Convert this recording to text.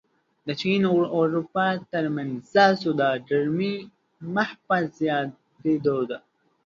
د چین او اروپا ترمنځ سوداګري مخ په زیاتېدو ده.